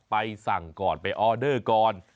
ไปสั่งก่อนไปออเดอร์ก่อน